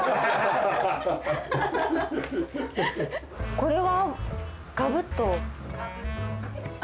これはガブっと。